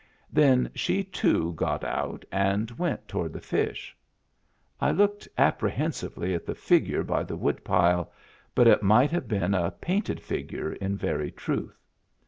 Then she, too, got out and went toward the fish. I looked appre hensively at the figure by the woodpile, but it might have been a painted figure in very truth.